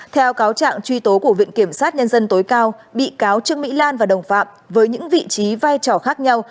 theo cáo trạng truy tố của viện kiểm sát nhân dân tối cao bị cáo trương mỹ lan và đồng phạm với những vị trí vai trò khác nhau